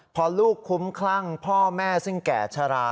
พอลูกคุ้มคลั่งพ่อแม่ซึ่งแก่ชะลา